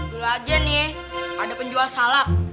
dulu aja nih ada penjual salak